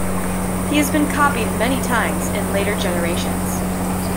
He has been copied many times in later generations.